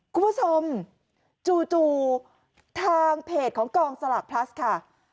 คุณผู้ชมจู่ทางเพจของกองสลากพลัสค่ะ